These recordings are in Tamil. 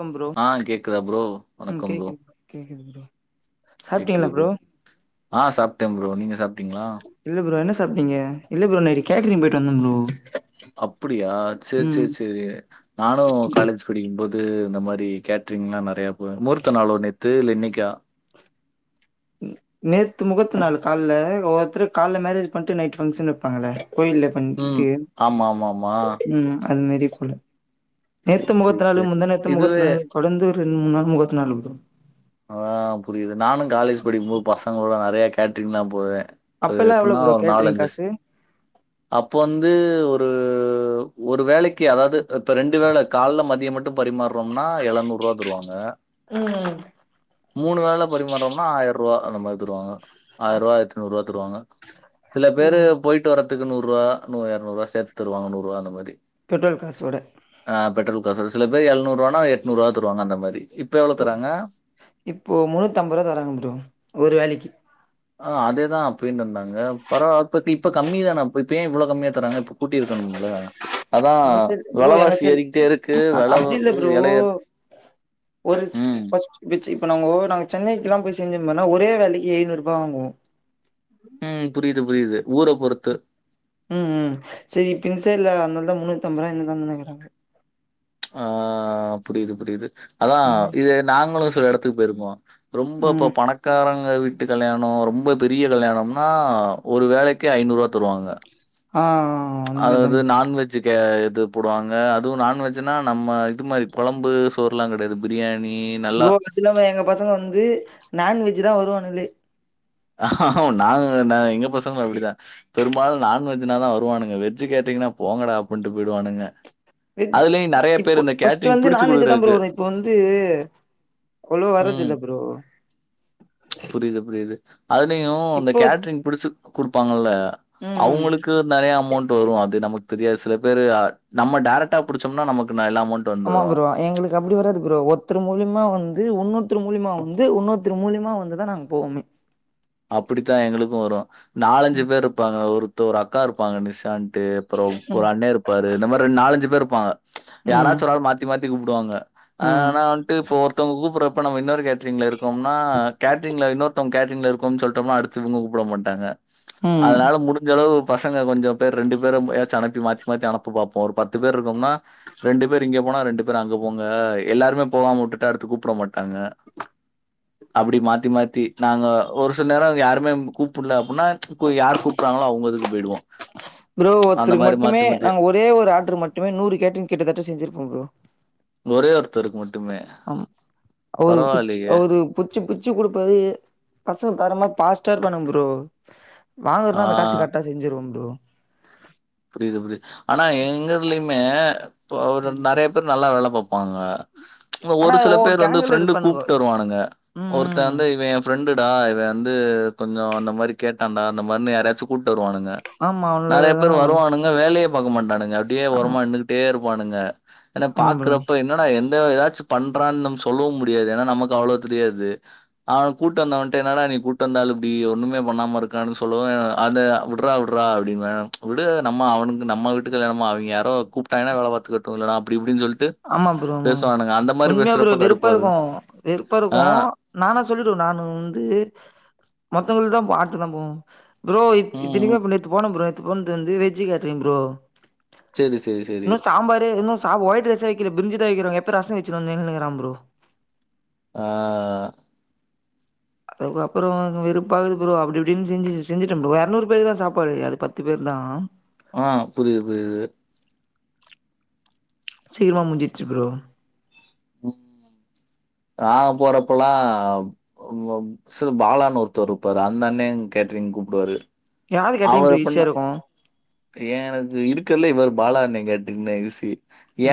கம் ப்ரோ ஆ கேக்குதா ப்ரோ ம் வணக்கம் ப்ரோ கேக்குது கேக்குது ப்ரோ கேக்குது ப்ரோ ஆ சாப்ட்டே ப்ரோ நீங்க சாப்ட்டீங்ளா இல்ல ப்ரோ என்ன சாப்டீங்க இல்ல ப்ரோ நைட்டு கேட்ரீங் போய்ட்டு வந்த ப்ரோ அப்புடியா சேர் ம் சேர் சேரி நானு காலேஜ் படிக்கும்போது இந்த மாரி கேட்ரிங்லா நெறைய போவ மூர்த்தநாளோ நேத்து இல்ல இன்னைக்கா ம் நேத்து முகூர்த்து நாளு கால்ல ஒவ்வொருத்துரு கால்ல மேரேஜ் பண்ணிட்டு நைட் ஃபங்க்ஷன் வப்பாங்கள கோயில பண்ணி ம். முட்ச்சுட்டு ஆமா, ஆமா, ஆமா. ம் அது மாரி கூட சரி, நேத்து சரி, முகூர்த்த நாளு சரி. முந்தாநேத்து முகூர்த்த இதுவே நாளு தொடந்து ஒரு ரெண்டு மூண்நாள் முகூர்த்த நாளு ப்ரோ ஆ புரியுது நானு காலேஜ் படிக்கும்போது பசங்ளோட நெறையா கேட்ரிங்தா போவே அது அப்பெல்லா எவ்ளோ எப்புன்னா ப்ரோ ஒரு கேட்ரிங் நாலஞ்சுஸ் காசு அப்போ வந்து ஒரு ஒரு வேலைக்கு அதாவ்து அ இப்ப ரெண்டு வேல கால்ல மதியம் மட் ஞு பரிமாற்றோம்னா எழநூருவா தருவாங்க ம் மூணு வேல பரிமாறோம்னா ஆயருவா அந்தமாரி தருவாங்க ஆயருவா ஆய்ர்த்துநூர்வா தருவாங்க சில ஓ பேரு போய்ட்டு வர்றதுக்கு நூருவா நூ எர்நூர்வா சேத்தருவாங்க நூருவா அந்த மாரி பெட்ரோல் காசோட ஆ பெட்ரோல் காசோட சில பேர் எழுநூருவான எட்நூருவா தருவாங்க அந்த மாரி இப்ப எவுளோ தராங்க இப்போ முன்னூத்தம்பருவா தராங்க ப்ரோ ஒரு வேலைக்கு ஆ அதேதா அப்பயு தந்தாங்க பரவா இப்ப கம்மி தான அப் இப்ப ஏன் இவ்ளோ கம்மியா தராங்க இப்பு கூட்டிருக்கணும்ல அதா எங்க சைடு ப்ரோ எங்க வெலவாசி சைடு ஏறிகிட்டே இருக்கு அ வெலவு அப்டி இல்ல ப்ரோ எலைய ஒரு ம் ஃபஸ்ட் இருந்துச்சு இப்ப நாங்க ஒவ்வொரு நாளு சென்னைக்குலா போய் செஞ்சோமனா ஒரே வேலைக்கு ஐநூறுபா வாங்குவோ ம் புரிது புரிது ஊர பொறுத்து ம் ம் சரி இப்ப இந்த சைட்ல அதுனாலதா முன்னூத்தம்ருவா அதிமாதா நெனைக்குறாங்க ஆ புரிது புரிது அதா ம் இது நாங்களு எடத்துக்கு போய்ருப்போ ரொம்போ இப்போ ம் பணக் காரங்க வீட்டு கல்யாணோ ரொம்ப பெரிய கல்யாணம்னா ஒரு வேலைக்கே ஐநூறுவா தருவாங்க ஆ அந்த மாரி தா அதாவ்து நான்வெ ஜுக்கு இது போடுவாங்க அதுவு நான்வெஜுனா நம்ம இது மாரி கொழம்பு சோர்லா கெடையாது பிரியாணி நல்லா ப்ரோ அது இல்லாம எங்க பசங்க வந்து நான்வெஜ்ஜுதா வருவானுங்லே நாங்ளு என்ன எங்க பசங்ளு அப்டிதா பெரும்பாலு நான்வெஜுனாதா வருவானுங்க வெஜ்ஜு கேட்டீங்குனா போங்கடா அப்புன்ட்டு போய்டுவானுங்க வெஜ் இப்போ ஃபஸ்ட்டு வந்து பிடிச்சு நான்வெஜ்ஜ தான் ப்ரோ குடுக்குறதுக்கு வரு இப்போ வந்து அவுளோவா வரதில்ல ப்ரோ புரிது புரிது அதுலயு இந்த இப்போ கேட்ரிங் பிடிசு குடுப்பாங்கல்ல ம் அவுங்களுக்கு நெறைய அமௌண்ட்டு வரு அது நமக் தெரியாது சில பேரு நம்ம டேரக்ட்டா புடிச்சோம்னா நமக் ஆமா ப்ரோ எங்களு க்கு அப்டி வராது ப்ரோ ஒர்த்தரு மூலிமா வந்து உன்னொத்தரு மூலிமா வந்து உன்னொத்தரு மூலியமா வந்துதா நாங்க போவோமே அப்புடித்தா எங்களுக்கு வரு நாலஞ்சு பேர் இருப்பாங்க ஒருத்த ஒரு அக்கா இருப்பாங்க நிஷான் ட்டு அப்புறோ ஒரு ம் அண்ண இருப்பாரு இந்த மாரி நாலஞ்சு பேர் இருப்பாங்க ம் யாராச்சு ஒராள் மாத் தி மாத்தி கூப்டுவாங்க அது ம் ஆனா வன்ட்டு இப்போ நம்ம ஒருத்தவ்ங்க கூப்புறப்போ இன்னொரு கே ட்ரிங்ல இருக்கொம்னா கேட்ரிங்ல இன்னொருத்தவங் கேட்ரிங்ல இருக்கோன் சொல் விட்டோம்னா அடுத்து இவங்க கூப்ட மாட்டாங்க ம் அதனால முடி சளவு பசங்க கொஞ்சோ பேர் ரெண்டு பேரயாச்சு அனுப்பி மாத்தி மாத்தி அனுப்ப பாப்போ ஒரு பத்து பேர் இருக்கம்னா ரெண்டு பேர் இங்க போனா ரெண்டு பேரு அங்க போங்க எல்லாருமே போகாம உட்டுட்டா அடுத்து கூப்ட மாட்டாங்க அப்டி மாத்தி மாத்தி நாங்க ஒரு சில நேர அங்க யாருமே கூப்டல அப்டின்னா இப்ப யார் கூ ப்றாங்களோ அவங்கதுக்கு போய்டுவோ ப்ரோ அந்த ஒருத்தருக்கு மாரி மட்டுமே மாத்தி மாத்தி நாங்க ஒரே ஒரு ஆர்டர் மட்டுமே நூறு கேட்ரிங் கிட்டத்தட்ட செஞ்சிருப்போ ப்ரோ ஒரே ஒருத்தருக்கு மட்டுமே ஆமா அவருக்கு புச்சு பரவாயில்லையே. அவரு புச்சு புச்சு குடுப்பாரு பசங்க தரமா ஃபார்ஸ்டா இருப்பான்க ப்ரோ ஆ வாங்கறதுன்னா அந்த காசு கரட்டா செஞ்சுர்வ ப்ரோ புரியுது புரியுது ஆனா எங்கதுலயுமே இப் ஒரு ம் நெறய பேர் நல்லா வேல பாப்பாங்க ஆனா ஒரு சில ஓ பேர் வந்து கேங்குல ஃப்ரெண்டு இருப்பானுங்கோ கூப்ட்டு வருவானுங்க ம் ஒருத்த ம் வந்த இவன் ஃப்ரெண்டுடா இவ வந்து கொஞ்சோ அந்த மாரி கேட்டான்டா அந்த மாரினு யாராயாச்சு கூப்ட்டு வருவானுங்க ஆமா அவனுங்களே ஆமா ப்ரோ அவனுங்களா வேலயே பாக்க மாட்டானுங்க அப்டியே ஆமா ஒரமா நின்னகிட்டே இருப்பானுங்க எனக் ஆமா ப்ரோ பாக்கறப்ப என் என்னடா எந்த ஏதாச்சு பண்றானு நம்ம சொல்லவு முடியாது ஏன்னா நமக்கு அவ்ளோ தெரியாது அவ கூட்டு வந்தவன்ட என்னாடா நீ கூட்டு வந்தாளு இப்டி ஒன்னு மே பண்ணாம இருக்கா சொல்லுவ அந்த உட்றா உட்றா அப்டிம்ப விடு நம்ம அவனுக்கு நம்ம வீட்டு கல்யாணமா அவிங்க யாரோ கூப்ட்டாங்கனா வேல பாத்துக்கட்டு இல்லனா அப்டி இப்டின் சொல்ட்டு ஆமா ப்ரோ ஆமா உண்மையா ப்ரோ வெறுப்பா கடுப்பா இருக்கு இருக்கும். வெறுப்பா ஆ. இருக்கு நானு சொல்லிடுவே நானு வந்து மத்தவங்களுக்கு தா அடுத்துதா போவோ ப்ரோ ம், ம். இத்தினிக்கு நேத்து போன ப்ரோ நேத்து போனது வந்து வெஜ் கேட்ரிங் ப்ரோ சரி, சரி, சரி. இன்னு சாம்பாரே இன்னு சா ஒயிட் ரைஸ் ரைசே வக்கல பிரிஞ்சிதா வக்றாங்கோ எப்போ ரசோ வச்சினு வந்தீங்கன் கேக்குறா ப்ரோ ஆ அதுக் அப்றோ வெறுப்பா கிது ப்ரோ அப்டி இப்டினு செஞ்சி செஞ்சுட்ட ப்ரோ இரநூறு பேர் தா சாப்பாடு அது பத்து பேர் தா ஆ புரிது சீக்கிரமமா முஞ்சிச்சு ப்ரோ நாங்க போறப்பல்லா உங்க மெஸ்ல பாலான் ஒருத்தர் இருப்பாரு அந்தண்னே கேட்ரிங் கூப்டுவாரு யாரு கேட்ரிங் பிரி ஈசியா இருக்கு ஏ எனக்கு இருக்கலயே இவரு பாலா அண்ணே கேட்ரிங் தா ஈசி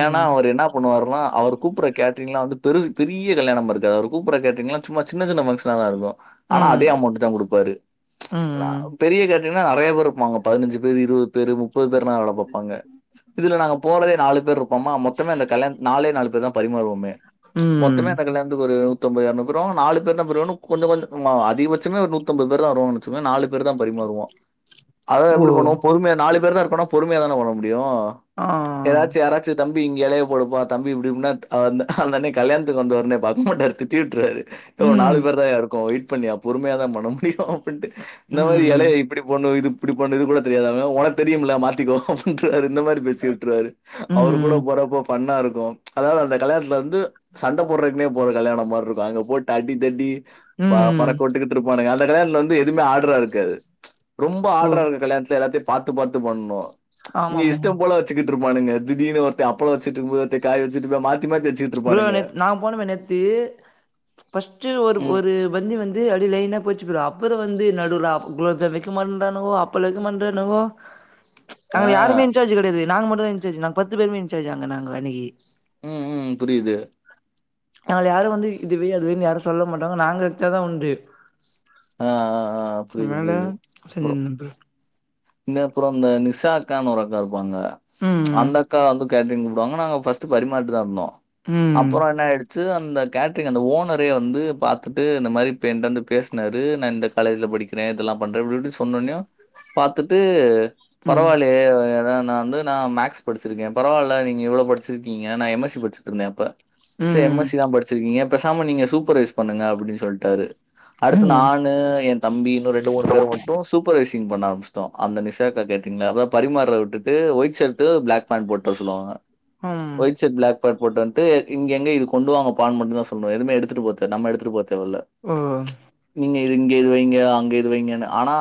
ஏன்னா அவரு என்னா பண்ணுவார்னா அவரு கூப்புற கேட்ரீங்லா வந்து பெரு பெரிய கல்யாணமா இருக்காது அவரு கூப்புற கேட்ரீங்லா சும்மா சின் சின்ன பங்ஷனா தா இருக்கு ஆனா ம் அதே அமௌண்ட்டு தா குடுப்பாரு ம் பெரிய கேட்ரீங்னா நெறய பேர் இருப்பாங்க பதினஞ்சு பேர் இருவ வெறு முப்பது பேர்னா வேல பாப்பாங்க மொத்தமா நாங்க போறதே நாலு பேர் இருப்போமா மொத்தமே அந்த கல்யா நாலே நாலு பேர் தா பரிமாறுவோமே ம் மொத்தமே அந்த கல்ய துகு ஒரு நூத்தம்பது எர்நுறுபேரு நாலு பேர் தா கொஞ்சோ கொஞ்சோ அதிகபட்சமே ஒரு நூத்தம்பது பேர் தா வருவாங்க சுமே நாலு பேர்தா பரிமாறுவோ அதா ஓ எப்டி பண்ணுவோ பொறுமையா நாலு பேர் தா இருக்கோனா பொறுமையாதான பண்ண முடியு ஆ ஏதாச்சு யாராச்சு தம்பி இங்க எலய போடுப்பா தம்பி இப்டி இப்டின்னாத் ஆ ஒந்த அந்தாண்னே கல்யாண்த்துக்கு வந்தவர்னே பாக்குமாட்டார் திட்டி உட்றுவாரு யோ நாலு ம் பேர் தாயா இருக்கோ வெயிட் பண்யா பொறுமையா தா பண்ண முடியு அப்டின்ட்டு ம் இந்த மாரி ம் எலெய் இப்டி போட்னு இது இப்படி பண்ணு இத கூட தெரியாதாவே ஒனக் தெரியும்ல மாத்திகோ உ கேரு இந்த மாரி பேசி உட்றுவாரு அவ்ரு கூட ம் போறப்போ ஃபண்ணா இருக்கோ அதாவ்து அந்த கல்யாண்த்துல வந்து சண்ட போட்றக்னே போற கல்யாணோ மார் ருக்கோ அங்க போட் அடி தடி ப ம். பறக்க உட்டுக்குட்ருப்பானுங்க அந்த கலயாண்த்துல வந்து எதுமே ஆட்ரா இருக்காது ரொம்ப ஓ ஆட்ரா இருக்க கல்யாண்த்துல எல்லாத்யு பாத்து பாத்து பண்ணோ இங்க ஆமாமா இஷ்டம்போலத் ச்சிக்கிட்ருப்பானங்க திடீனு ஒருத்த அப்லோ வச்சிட்ருக்குபோது ஒருத்த காய் வெச்சிட்டுப மாத்தி மாத்தி அச்சிட் ப்ரோ நேத் நாங் போனோமே நேத்து பஸ்ட்டு ஒரு ம். ஒரு பந்தி வந்து அப்டி லைனப் போச்சி ப்ரோ அப்பதா வந்து நடுவ்ல அப் க்லோத்த வெக்க மாண்றானுங்கோ அப்பல் வெக்க மாண்றானுங்கோ ஆ. அங்க யாருமே இன்சார்ஜ் கெடயாது நாங்க மட்டு தா இன்சார்ஜூ நா பத்து பேருமே இன்சார்ஜ் அங்கு நாங்க அன்னிக்கி உ உ புரிது நால யாரு வந்து இது வெய் அதுவெய்னு யாரு சொல்ல மாட்டாங்க நாங்க எட்த்தாதா உண்டு ஆ, ஆ, ஆ. புரியுது, அனால செஞ்சிந்தே பெ இந்ந அப்றோ இந்த நிஷாக்கான்னு ஒரு அக்கா இருப்பாங்க ம் அந்த அக்கால அலுக் கேட்ரீங் கூப்டுவாங்க நாங்க ஃபஸ்ட் பரிமார்ட்டு தா இருந்தோ ம் அப்பறோ என்ன ஆய்டு ச்சூ அந்த கேட்ரிங் அந்த ஓனரே வந்து பாத்துட்டு இந்த மாரி இப் ஏன்ட்ட வந்து பேஸ்னாரு நா இந்த காலேஜ்ல படிக்கிறே இதெல்லா பண்றே இப்டி இப்டி சொன் ஒன்யோ பாத்துட்டு ம் பரவால்லயே ஏனா நா வந்து நா மேக்ஸ் படிச்சிருக்கே பரவால்ல நீங்க இவ்ளோ பட் ச்சிர்க்கீங்க நா எம் எஸ் சி பச்சிட்டுருந்தே அப்ப செ எம் ம் எஸ் சிலா படிச்சிர்க்கீங்கா பேசாம நீங்க சூப்பர் வய்ஸ் பண்ணுங்க அப்புடி சொல்ட்டாரு அடுத்து ம் நானு எ தம்பி இன்னு ரெண்டு மூணு பேரு மொட் டோ சூப்பர்வைசி்ங் பண்ணாம்ஸ் தோ அந்த நிஷாக்கா கேட்ரீங்ள அதா பரிமாற விட்டுட்டு ஒயிட் ஷர்ட்டு ப்ளாக் பேண்ட் போட்டு வர சொல்லுவாங்க ம் ஒயிட் ஷர்ட் ப்ளாக் பேண்ட் போட்டு வந்ட்டு இங்க எங்க இது கொண்டு வாங்க பான் மட்டுதாஸ் நு எதுமே எடுத்துட்டு போ தே நம்ம எடுத்துட்டு போ தேவல்ல ஓ நீங்க இது இங்க இது வைங்க அங்க இது வைங்கனு ஆனா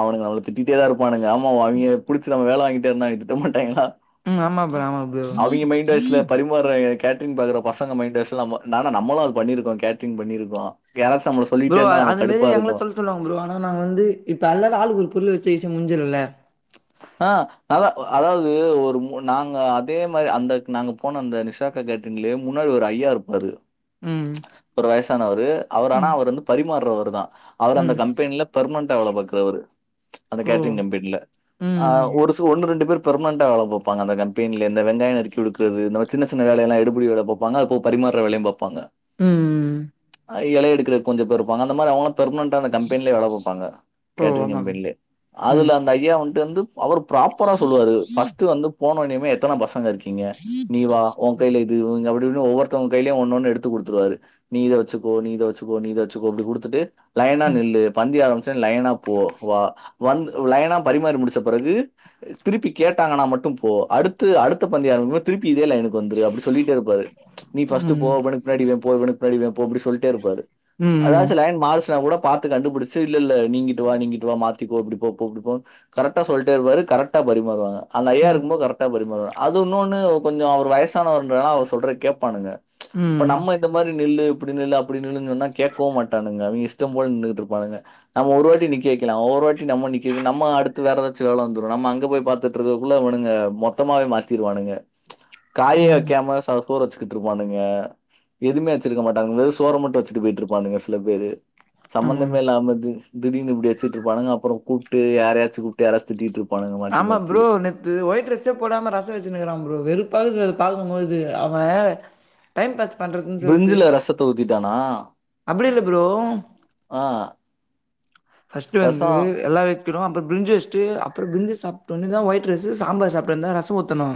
அவனுங்க அவள திட்டிட்டேதா இருப்பானுங்க அம் மோ அவிங்க புடிச்சி நம்ம வேல வாங்கிட்டே இருந்தா திட்ட மாட்டாய்ங்களா ம் ஆமா ப்ரோ ஆமா ப்ரோ அவிங்க மைண்ட் வாய்ஸ்ல பரிம் பாறாங்க கேட்ரிங் பாக்கற பசங்க மைண்ட் வாய்ஸ்லாமோ நாநா நம்மலு அது பண்ணிருக்கோ கேட்டரிங் பண்ணிருக்கோ யாராசு நம்மள சொல்லிட்டேந்தா நம்ம கடுப்பா இருக்கோ சொல்லுவாங் ப்ரோ ஆனா நாங்க வந்து இப்ப அல்லல் ஆளுக்கு ஒரு புள் வெச் சைசு முஞ்சிருல ஆ நல்லா அதாவ்து ஒரு மூ நாங்க அதே மாரி அந்தக் நாங்க பு போனு அந்த நிஷாக்கா கேட்ரிங்லே முன்னாடி ஒரு ஐயா இருப்பாரு ம் ஒரு வயசானவரு அவர் ஆனா ம் அவர் வந்து பரிமார்ரவரு தா அவர் அந்த ம் கம்பெனில பெர்மனன்ட்டா வேல பாக்றவரு அந்த ஓ கேட்ரிங் கம்பென்ல ஆ ம் ஒருஸ் சோ ஒன்னு ரெண்டு பேர் பெர்மெணண்ட்டா வேல பாப்பாங்க அந்த கம்பெனில இந்த வெங்காயு நறுக்கி குடுக்றது இந்த மாரி சின்ன சின்ன வேலையல்லா எடுபுடி வேல பொப் வாங்க அப்போ பரிமாற வேலையு பாப்பாங்க ம் ம் ஐ எல எடுக்ற கொஞ்ச பேர் ருப்பாங்க அந்த மாரி அவ்வளம் பெர்மனன்ட்டான கம்பென்லே வேல பாப்பாங்க ஓ கேட்ரி்ங் ஆமாங்க கம்பென்லே ம் அதுல அந்த ஐயா வந்ட்டு வந்து பவர் ப்ராப்பரா சொல்லுவாரு ஃபஸ்ட் வந்து போனுன்யுமே எத்தன பசங்க இருக்கீங்க நீவா வொ கைல அப்டி இப்டின்னு ஒவ்வொருத்தங்க கையிலியு ஒன்னொன்னு எடுத்து குடுத்துருவாரு நீ இத வச்சுக்கோ நீ இத வச்சுக்கோ நீ இத வச்சுக்கோ இப்டி குடுத்துட்டு லைனா ம் நில்லு பந்தி ஆரம்பிச்ச லைனா போ வா வந்து லைனா பரிமாறி முடி ச்ச பிறகு திருப்பி கேட்டாங்கனா மட்டு போ அடுத்து அடுத்த பந்திய ஆரம்பி திருப்பி இதே லைன்க்கு வந்துரு அப்டி சொல்லிட்டே இருப்பாரு நீ ஃபர்ஸ்ட் போ ம் அவனக்கு பின்னாடி நீ போ இவனக்கு பின்னாடி நீ போ அப்டி சொல்ட்டே இருபாரு ம் அதாச்சு லைன் மறுசுனா கூட பாத்து கண்டுபுடிச்சு இல்லல்ல நீங்கிட்டு வா நீங்கிட்டு வா மாத்திக்கோ அப்டி போ போ அப்டிப்போ கரெக்டா சொல்ட்டே இருப்பாரு கரெக்டா பரிமாறுவங்க அந்த ஐயா ம் இருக்குபோது கரெக் டா பரி மாறுவாங்க அது இன்னொனு கொஞ்சோ அவர் வயசானவரன்றதல அவ சொல்றத கேப்பானுங்க இப்ப ம் நம்ம இந்த மாரி நில்லு இப்டி நில்லு அப்டி நில்லு சொன்னா கேக்கவு மாட்டானுங்க அவங்க இஷ்டோ போல நின்னுட்டு இருப்பானுங்க நம்ம ஒரு வாட்டி நிக்க வெக்கலா ஒவ்வொரு வாட்டி நம்ம நிக்க வெக்கணு நம்ம அடு த்து வேற ஏதாச்சு வேல வந்துரு நம்ம அங்க போய் பாத்துட்டு இருக்குறதுகுள்ள இவனுங்க மொத்தமவே மாத்திருவானுங்க காயே ம் வெக்கமா சா சோற வச்சிக்கிட்டு இருப்பானுங்க எதுவுமே வெச்சிருக்க மாட்டாங்கா வெறு சோற மட்டு வெச்சுட்டு போயிட்டு இருப்பானுங்க சில பேரு ஆமாங்க சம்மந்தமே இல்லாம திடீனு இப்டி வச்சிட்டு இருப்பானுங்க அப்புறோ கூப்ட்டு யாரையாச்சு கூப்ட்டு யாராச்சு திட்டிட்டு இருப் ஆமா ப்ரோ நேத் து ஒயி்ட் ரைசே போடாம ரசோ வச்சுனுக்கிறா ப்ரோ வெறுப்பாக்குது அத பாக்கும் போது அவ டைம் பாஸ் பண்றது பிரிஞ்சில ரசத்த ஊத்திட்டானா அப்டி இல்ல ப்ரோ ஆ ஃபர்ஸ்ட் வந்து ரசம் எல்லா றோ அப்புரோ பிரிஞ்சி வெச்டு அப்புறோ பிரிஞ்சி சாப்ட்டோன தா ஒய்ட் ரைஸ் சாம்பார் சாப்பிட்டோனதா ரசோ உத்தணு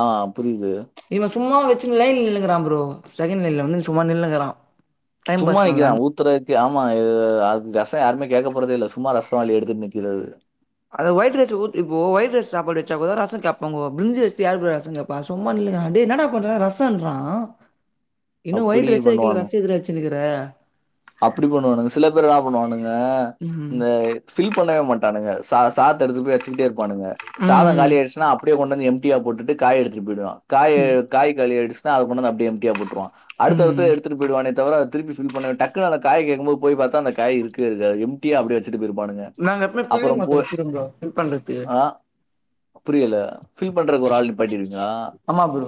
ஆ புரியுது இவ சும்மா வெச்சுன் லைன்ல நின்னுகிறா ப்ரோ செகண்ட் லைன்ல வந்து சும்மா நின்னுகிறா சும்மா நிக்கிறா ஊத்துரக்கு ஆமா அ ரசம் யாருமே கேக்க போறதே இல்ல சும்மா ரசம் வாலி எடுத்துட்டு நிக்கிறது அத ஒயிட் ரைஸ்கு உத்தி இப்போ ஒயிட் ரைஸ் சாப்பாடு வச்சா கூடோ ரசம் சாப்டுவோ பிரிஞ்சி வெசிஸ்டு யாரு ப்ரோ ரசம் சாப் வா சும்மா நின்னுட்டு இருக்காங்க டே என்னடா பண்ற ரசம்ன்ரா இன்னும் அப்படி ஒயிட் ரைஸ்யே வெக்கல ரச இதுல வச்சினுக்குற அப்டி பண்ணுவானுங்க சில பேர் நா பண்ணுவானுங்க ம் இந்த ஃபில் பண்ணவே மாட்டானுங்க ச சாத்த எடுத்து போய் வச்சுக்கிட்டே இருப்பானுங்க சாதம் ம் காலி ஆயிடுச்சுனா அப்டியே கொண்டு வந்து எம்ன்டியா போட்டுட்டு காய எடுத்துட்டு போயிடுவா ம் காய களியாடுச்சின்னா அத கொண்டந்து அப்டியே எம்டியா போட்ருவா அடுத்தடுத்து ம் எடுத்துட்டு போயிடுவானே தவிர திருப்பி ஃபில் பண்ண டக் குன்னு அந்த காய் கேக்கும் போது போய் பாத்தா அந்த காய் இருக்கவே இருக்காது எம்டியா அப்டியே வச்சுட்டு போயிருப்பானுக நாங்க எப்வுமே பில்லிங் ஒருத்தர் வச்சிருவோம் ப்ரோ ஃபில் பண்றதுக்கு ஆ புரியல ஃபில் பண்றக்கு ஒரு ஆள் நீப்பாட்டிருங்களா ஆமா ப்ரோ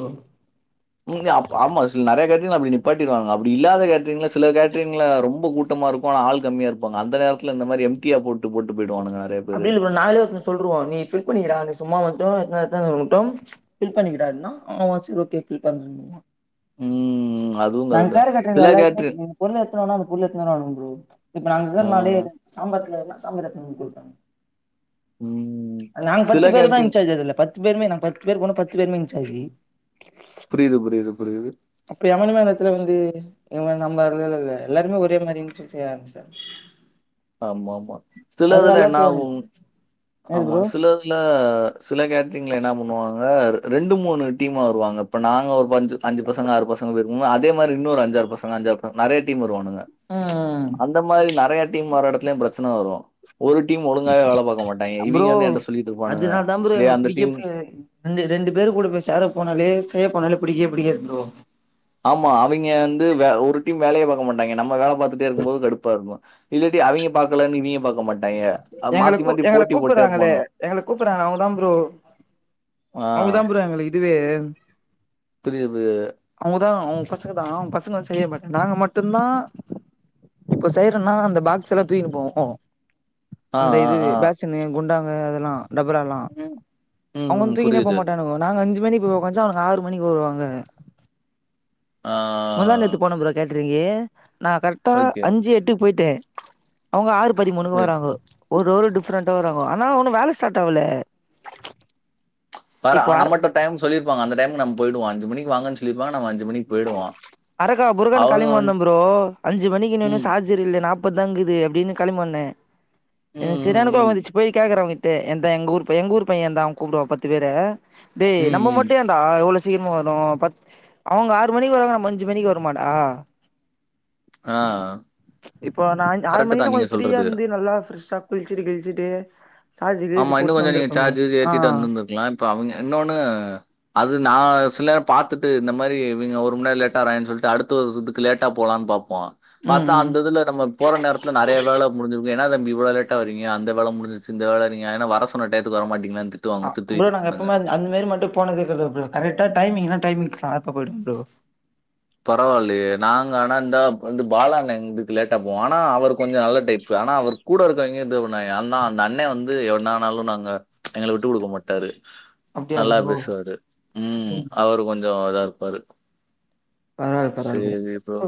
இங்க அப்ப ஆமா சில நிறய கேட்ரீங்கள அப்டி நீப்படிருவாங்க அப்டி இல்லாத கேட்டீங்க சில கேட் ட்ரிங்கள ரொம்ப கூட்டமா இருக்கு ஆன ஆள் கம்மியா இருப்பாங்க அந்த நேரத்து இந்த மாரி எம்டியா போட்டு போட்டு போயிடுவானுங்க நிறய அப்டி இல்ல ப்ரோ நாகளே ஒருத்தன்ட சொல்லுவோ நீ பில் பண்ணிக்கடா சும்மா மட்டும் [unintelligible] ஃபில் பண்ணிக்கிட்டானா அவ செரி ஓகே ஃபில் பன் ம் அதுவும் நாங்க கரெக்ட் தான். கரு கட்டுறல சில கேட்டரிங் எல்லாருங்குமே பொருள் எடுதுன்னு வான அந்த பொருள எதுதானே ஆகனும் ப்ரோ இப்ப நாங்க ஆ. முதல்னாலே சாம்பார் வேணுன்னா சாம்பார் எத்துன்னு போய் குடுப்பே ம் நாங்க சில பத்து பேரு தா கேட்டரிங் இன்சார்ஜ் அதுல்ல பத்து பேருமே நாங்க பத்து பேரு போனோ பத்து பேருமே இன்சார்ஜ் புரிது புரிது புரிது அப்ப எவனுமே அந்தயேத்துல வந்து நம்ம அ இ எல்லாருமே ஒரே மாரி ஆரம்பிச்சு ஆமா ஆமா சில இதுல நல்லா என்ன செய்வானுங்க ஆகும் என்னது ஆமா ப்ரோ சில இதுல சில கேட்ரிங்ல என்ன பண்ணுவாங்க ரெண்டு மூணு டீமா வருவாங்க இப்ப நாங்க ஒரு பத் த்து அஞ்சு பசங்க ஆறு பசங்க இருப்போல்ல அதே மாரி இன்னொரு அஞ்சு ஆறு பசங்க அஞ்சாறு பேர் நெறய டீம் வருவாங்க ம் ம் இந்த மாரி நறய டீம் வர எடத்துலயும் பிரச்சன வரும் ஒரு டீம் ஒழுங்காவே வேல பாக்க மாயிட்டாங்க ப்ரோ இவங்க வந்து என்டா சொல்லிட்டு இருப்பானுங்க அதனால தா ப்ரோ இதே எங்களுக்கு அந்த புடிக்கவே டீம் புடிக்காது ரெண்டு ரெண்டு பேரு கூட போய் சேர போனாலே செய்ய போனாலே புடிக்கே புடிக்காது ஆமா அவிங்க வந்து வே ஒரு டீம் வேலயே பாக்க மாட்டாங்க நம்ம வேல பாத்துட்டே இருக்கும்போது கடுப்பா இருக்கும் இல்லாட்டி அவிங்க பாக்கலனு இவிங்க பாக்கமாட் எங்கள கூப் எங்கள கூப்பிறாங்களே இருப்பானு எங்கள கூப்பறாங்க அவங்கதா ப்ரோ ஆ அவங்கதா ப்ரோ எங்களுகு இதுவே புரியுது புரியுது அவுங்கதா அவுக பசங்க தா அவ பசங்க வந்து செய்யவே மாட்டாங்க நாங்க மட்டுந்தா இப்போ செய்றன்னா அந்த பாக்ஸ் எல்லா தூக்கினு போவோ ஆ அந்த ஆ இது ஆ பெஷனு குண்டாங்க அதெல்லா டபறலா ம், ம், அவங்க ம், தூக்கினே புரியுது போமாட்டானுகொ நாங்க அஞ்சு மணிக்கு வெச்சா அவனுக ஆறு மணிக்கு வருவாங்க ஆ முந்தா நேத்து போனோ ப்ரோ கேட் டீரிங்க நா கரெக்டா ஓகே அஞ்சு எட்டுக்கு போயிட்டன் அவங்க ஆறு பதிமூணுக்கு வராங் ஓ ஒரு அவரு டிப்ரண்டா வராங் கோ ஆனா ஒன்னும் வேல ஸ்டாட் ஆகல வரா அர நம்மட்ட டைம் சொல்லிருப்பாங்க அந்த டைம்க்கு நம்ம போயிடுவோ அஞ்சு மணிக்கு வாங்கனு சொல்லிருப்பாங்க நம்ம அஞ்சு மணி அரக்கா புருக்கானு கெளிம்பீ வந்த வந்து- ப்ரோ அஞ்சு மணிக்குன்னோன்னே ம் சா ஜர்ரில்லே நாப்பது தாங்குது அப்டின்னு கெளம்பி வந்தே ஏ ம் ம் சரியன கோவோ ம் வந்துச்சு போய் கேக்கற அவங்கிட்ட என்த எங்க ஊர் பையன் எங்க ஊர் பையன்தா அவ கூப்புடுவா பத்து பேர டேய் ம் நம்ம ம் மட்டும் ஏன்டா இவ்ளோ சீக்கிரமா வறோ பத் அவுங்க ஆறு மணிக்கு வராங்க நம்ம அஞ்சு மணிக்கு வருமடா ஆ இப்ப நா ஆன் ஆறு கரெக்ட்டு தான் மணிலா நீங்க கொஞ்ச ப்ரீயா சொல்றது. எழுந்து நல்லா பிரெஷா குளிச்சிட்டு கிளிச்சிட்டு ஆமா இன்னு கொஞ்சோ நீங்க சார்ஜுரு ஆ ஏத்திட்டு வந்திருந்துருக்கலா இப்ப அவங்க இன்னொனு அது நா சில நேரோ பாத்துட்டு இந்த மாரி இவிங்க ஒரு மணிநேரோ லேட்டா வாராங்கேனு சொல்ட்டு அடுத்து ஒரு சுத்து லேட்டா போலானு பாப்போ ம் பாத்தா ம் அந்த இதுல நம்ம போற நேரத்துல நெறையா வேல முடிஞ்சிருக்கு என்னா தம்பி இவ்ளோ லேட்டா வரீங்க அந்த வேல முடிஞ்சிரிச்சி இந்த வேல நீங்க என்ன வர சொன்ன டைத்துக்கு வர மாட்டீங்களானு திட் ஆ ப்ரோ நாங்க எப்போமாது அந்த மாரி மட்டு போனதே கெடையாது ப்ரோ கரெக்டா டைமிங்னா டைமிங்கு சார்பா போய்டு ப்ரோ பரவால்லயே நாங்க ஆனா இந்தா வந்து பாலாண்ணே இருந்துட்டு லேட்டா போவோ ஆனா அவர் கொஞ்சோ நல்ல டைப்பு ஆனா அவர் கூட இருக்கவங்க இது பண்ணுவாங்க ஆனா அந்த அண்ணே வந்து என்ன ஆனாலு நாங்க எங்கள விட்டு குடுக்க மாட்டாரு அப்டியா நல்லா ப்ரோ பேசுவாரு ம் அவரு கொஞ்சோ இதா இருப்பாரு பரவால்ல பரவால்ல செரி ப்ரோ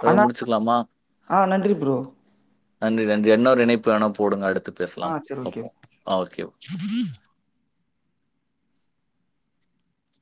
இதோட ஆனா முடிச்சுகுலாமா ஆ நன்றி ப்ரோ நன்றி நன்றி என்னொரு இணைப்புல வேணா போடுங்க அடுத்து ஆ பேசலாம் சரி ஓகே பாப்போ ஆ ஓகே ஓகே